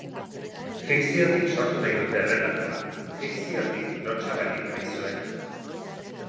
Fikziotik sortu nahi dute errelatoa, fikziotik, lotsa barik, aizue.